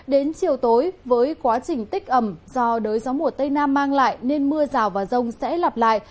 đến chiều tối với quá trình tích ẩm do đới gió mùa tây nam mang lại nên mưa rào và rông sẽ lặp lại